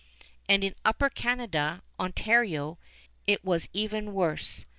And in Upper Canada, Ontario, it was even worse.